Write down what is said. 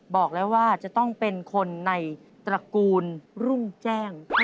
บอกแล้วว่าจะต้องเป็นคนในตระกูลรุ่งแจ้ง